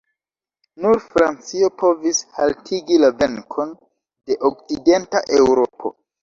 Nur Francio povis haltigi la venkon de okcidenta Eŭropo.